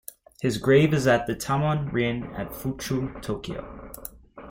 His grave is at the Tama Reien at Fuchu, Tokyo.